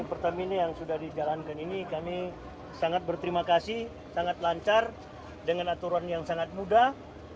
pertamina yang sudah dijalankan ini kami sangat berterima kasih sangat lancar dengan aturan yang sangat mudah